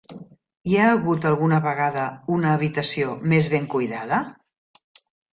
Hi ha hagut alguna vegada una habitació més ben cuidada?